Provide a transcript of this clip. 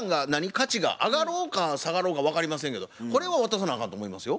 価値が上がろうか下がろうが分かりませんけどこれは渡さなあかんと思いますよ。